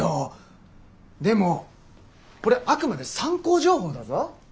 でもこれはあくまで参考情報だぞ？